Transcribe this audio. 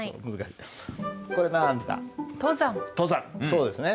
そうですね。